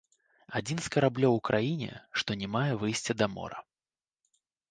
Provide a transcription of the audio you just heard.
Адзін з караблёў у краіне, што не мае выйсця да мора.